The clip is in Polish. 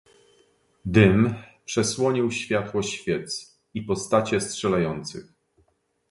"Dym przesłonił światło świec i postacie strzelających."